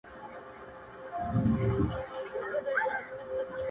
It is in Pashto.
لا معیار د سړیتوب مال و دولت دی,